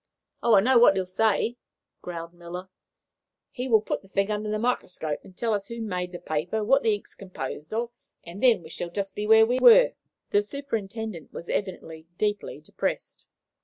"Oh, I know what he will say," growled Miller. "He will put the thing under the microscope, and tell us who made the paper, and what the ink is composed of, and then we shall be just where we were." The superintendent was evidently deeply depressed.